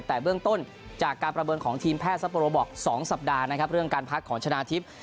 แต่เบื้องต้นจากการประเมินของทีมแพทย์ซัปโปโรบอก๒สัปดาห์นะครับเรื่องการพักของชนะทิพย์